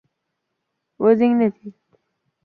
O‘zingni tiy: